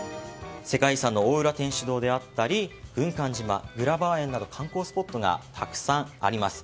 世界遺産の大浦天主堂だったり軍艦島グラバー園など観光スポットがたくさんあります。